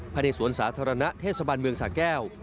ภายในสวนสาธารณะเทศบาลเมืองสาแก้ว